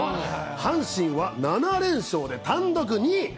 阪神は７連勝で単独２位。